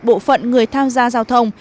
bộ phận người tham gia giao thông